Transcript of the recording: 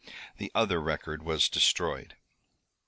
The other record was destroyed."